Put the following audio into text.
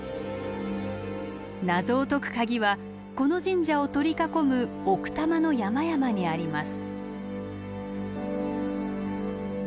謎を解く鍵はこの神社を取り囲む奥多摩の山々にあります。